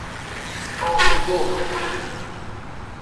آهودخت